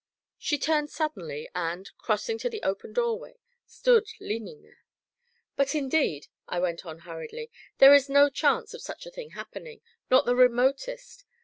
She turned suddenly, and, crossing to the open doorway, stood leaning there. "But, indeed," I went on hurriedly, "there is no chance of such a thing happening not the remotest.